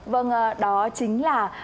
vâng đó chính là